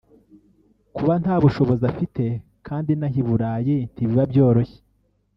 kuba nta bushobozi afite kandi inaha i Burayi ntibiba byoroshye